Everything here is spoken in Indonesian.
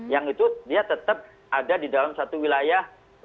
yang itu dia tetap ada di dalam satu wilayah